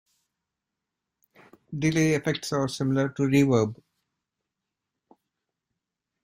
Delay effects are similar to reverb.